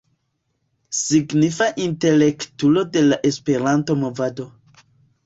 Signifa intelektulo de la Esperanto-movado.